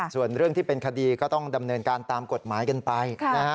ส่วนเรื่องที่เป็นคดีก็ต้องดำเนินการตามกฎหมายกันไปนะฮะ